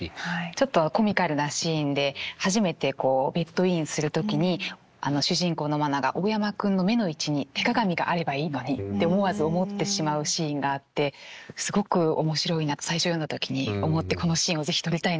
ちょっとコミカルなシーンで初めてベッドインする時に主人公の愛菜が大山くんの目の位置に手鏡があればいいのにって思わず思ってしまうシーンがあってすごく面白いなと最初読んだ時に思ってこのシーンを是非撮りたいなと思ったんですけれども。